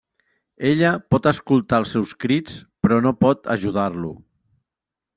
Ella pot escoltar els seus crits, però no pot ajudar-lo.